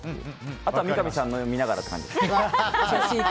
あとは三上さんのを見ながらって感じです。